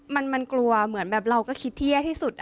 มันกลัวเหมือนแบบเราก็คิดที่แย่ที่สุด